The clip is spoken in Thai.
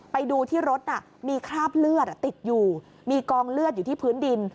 ไปดูที่รถน่ะมีคราบเลือดติดอยู่มีกองเลือดอยู่ที่พื้นดิน